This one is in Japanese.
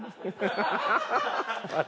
ハハハハ！